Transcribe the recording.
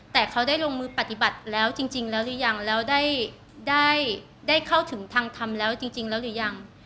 แต่เขาได้ลงมือปฏิบัติแล้วจริงแล้วหรือยังแล้วได้เข้าถึงทางธรรมแล้วจริงแล้วหรือยัง